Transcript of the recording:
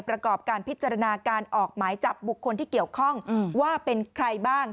ประกอบการพิจารณาการออกหมายจับบุคคลที่เกี่ยวข้องว่าเป็นใครบ้าง